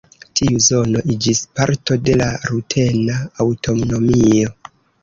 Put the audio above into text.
Tiu zono iĝis parto de la rutena aŭtonomio.